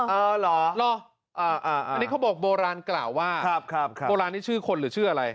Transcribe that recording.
เหรออันนี้เขาบอกโบราณกล่าวว่าโบราณนี้ชื่อคนหรือชื่ออะไร